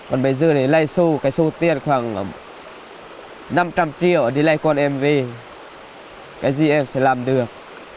còn bây giờ thì lấy số tiền khoảng năm trăm linh triệu đi lấy con em về cái gì em sẽ làm được